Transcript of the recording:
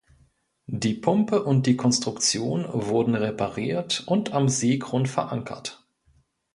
Die Pumpe und die Konstruktion wurden repariert und am Seegrund verankert.